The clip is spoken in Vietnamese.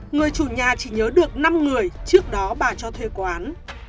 người chủ nhà chỉ nhớ được năm người trước đó bà cho thuê quán